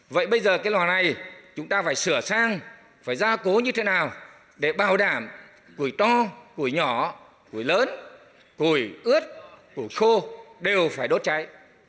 vậy bây giờ cái lò này chúng ta phải sửa sang phải ra cố như thế nào để bảo đảm củi to củi nhỏ củi lớn củi ướt củ khô đều phải đốt cháy